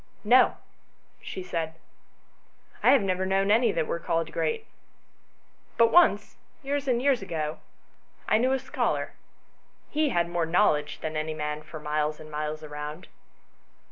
"No," she said, "I have never known any that were called great ; but once, years and years ago, I knew a scholar : he had more knowledge than any man for miles and miles round."